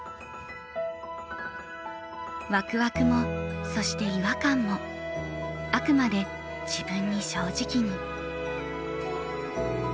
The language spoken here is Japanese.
ワクワクもそして違和感もあくまで自分に正直に。